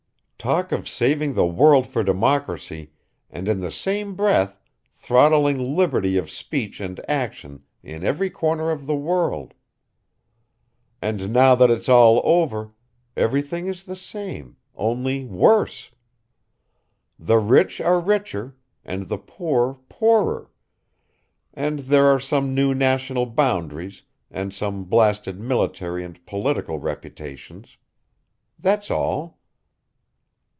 Talk of saving the world for democracy and in the same breath throttling liberty of speech and action in every corner of the world. And now that it's all over, everything is the same, only worse. The rich are richer and the poor poorer, and there are some new national boundaries and some blasted military and political reputations. That's all.